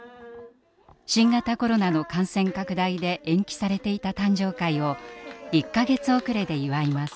新型コロナの感染拡大で延期されていた誕生会を１か月遅れで祝います。